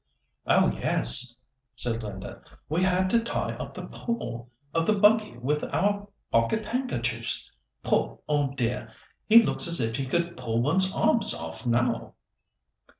"Oh! yes," said Linda; "we had to tie up the pole of the buggy with our pocket handkerchiefs; poor old dear! He looks as if he could pull one's arms off now."